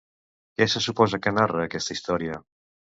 Què se suposa que narra aquesta història?